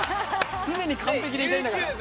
常に完璧でいたいんだから。